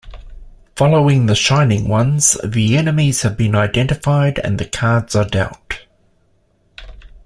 Following "The Shining Ones", the enemies have been identified, and the cards are dealt.